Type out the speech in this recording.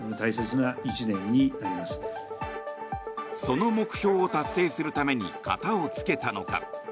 その目標を達成するために片をつけたのか。